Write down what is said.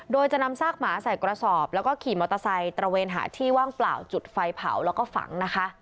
โดยจะนำซากหมาใส่กระสอบแล้วก็ขี่มอเตอร์ไซค์ตระเวนหาที่ว่างเปล่าจุดไฟเผาแล้วก็ฝังนะคะ